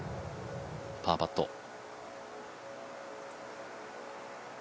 パーパット。